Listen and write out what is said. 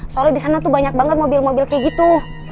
soalnya disana tuh banyak banget mobil mobil kayak gitu